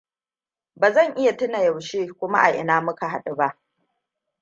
Ba zan iya tuna yaushe kuma a ina muka hadu ba.